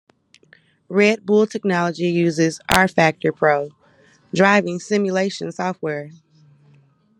Red Bull Technology uses "rFactor Pro" driving simulation software.